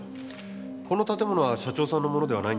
この建物は社長さんのものではないんですか？